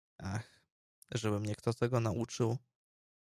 "Ach, żeby mnie kto tego nauczył."